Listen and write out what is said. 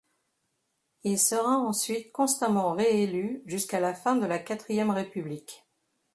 Il sera ensuite constamment réélu jusqu'à la fin de la quatrième république.